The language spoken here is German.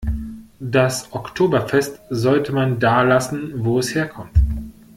Das Oktoberfest sollte man da lassen, wo es herkommt.